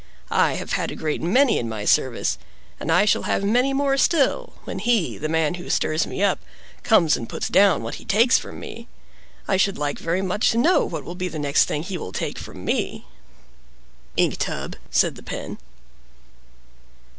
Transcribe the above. I have had a great many in my service, and I shall have many more still, when he, the man who stirs me up, comes and puts down what he takes from me. I should like very much to know what will be the next thing he will take from me." "Ink tub!" said the Pen.